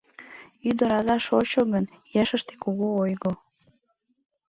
Ӱдыр аза шочо гын, ешыште — кугу ойго.